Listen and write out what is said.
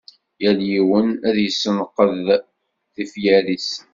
Yal yiwen ad yessenqed tifyar-is.